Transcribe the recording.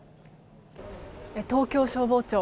東京消防庁